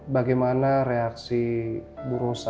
bagaimana reaksi bu rosa